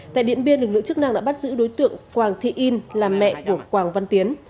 tại điện biên lực lượng chức năng đã bắt giữ đối tượng quảng thị in là mẹ của quảng văn tiến